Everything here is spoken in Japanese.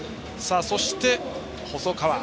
そして、細川。